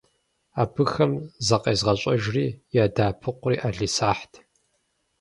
Абыхэм закъезыгъэщӏэжри ядэӏэпыкъури ӏэлисахьт.